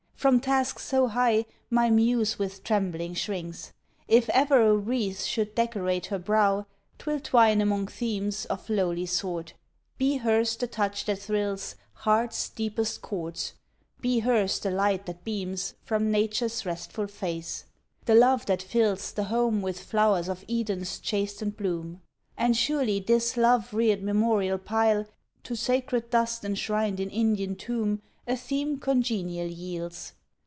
From task so high My muse with trembling shrinks. If e'er a wreath Should decorate her brow, 'twill twine 'mong themes Of lowly sort. Be hers the touch that thrills Heart's deepest chords. Be hers the light that beams From Nature's restful face, the love that fills The Home with flowers of Eden's chastened bloom. And surely this love reared memorial pile To sacred dust enshrined in Indian Tomb A theme congenial yields.